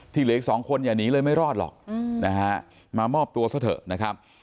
เหลืออีกสองคนอย่าหนีเลยไม่รอดหรอกนะฮะมามอบตัวซะเถอะนะครับ